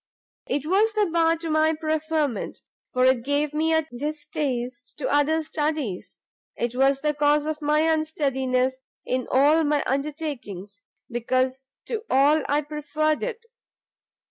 It was the bar to my preferment, for it gave me a distaste to other studies; it was the cause of my unsteadiness in all my undertakings, because to all I preferred it.